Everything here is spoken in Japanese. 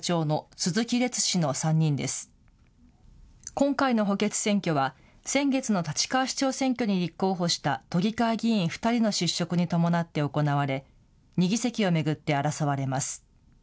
今回の補欠選挙は先月の立川市長選挙に立候補した都議会議員２人の失職に伴って行われ２議席を巡って争われます。